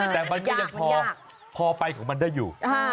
แต่มันก็ยังพอไปของมันได้อยู่